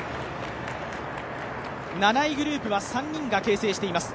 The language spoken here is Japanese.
７位グループは３人が形成しています。